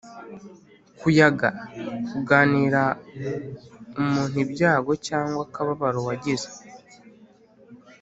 kuyaga: kuganira umuntu ibyago cyangwa akababaro wagize